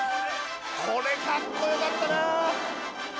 「これかっこよかったな！」